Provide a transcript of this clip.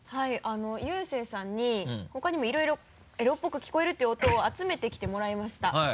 ゆうせいさんに他にもいろいろエロっぽく聞こえるっていう音を集めてきてもらいました。